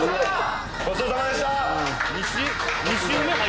ごちそうさまでした。